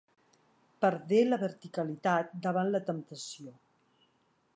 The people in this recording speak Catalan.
Perdé la verticalitat davant la temptació.